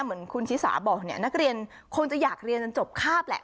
เหมือนคุณชิสาบอกเนี่ยนักเรียนคงจะอยากเรียนจนจบคาบแหละ